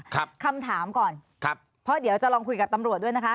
คำถามก่อนครับเพราะเดี๋ยวจะลองคุยกับตำรวจด้วยนะคะ